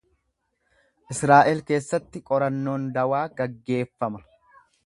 Israa’el keessatti qorannoon dawaa gaggeeffama.